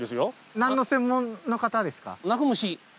何の専門の方ですか？